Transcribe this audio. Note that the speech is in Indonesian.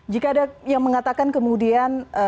jika ada yang mengatakan kemudian